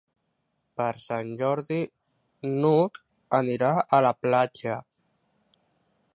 Per Sant Jordi n'Hug anirà a la platja.